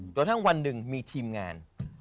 กระทั่งวันหนึ่งมีทีมงาน